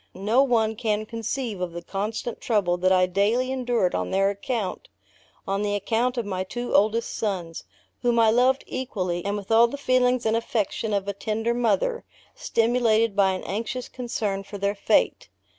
No one can conceive of the constant trouble that I daily endured on their account on the account of my two oldest sons, whom I loved equally, and with all the feelings and affection of a tender mother, stimulated by an anxious concern for their fate.